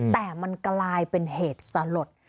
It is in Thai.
แต่มันกลายเป็นเหตุสลด